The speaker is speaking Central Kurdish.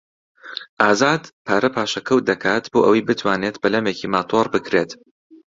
ئازاد پارە پاشەکەوت دەکات بۆ ئەوەی بتوانێت بەلەمێکی ماتۆڕ بکڕێت.